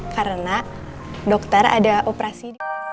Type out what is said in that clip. karena dokter ada operasi